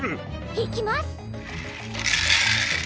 いきます！